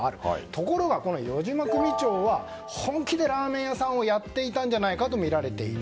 ところが、余嶋組長は本気でラーメン屋さんをやっていたのではないかとみられている。